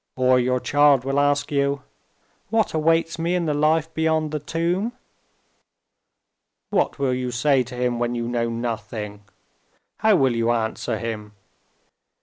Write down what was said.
Or your child will ask you: 'What awaits me in the life beyond the tomb?' What will you say to him when you know nothing? How will you answer him?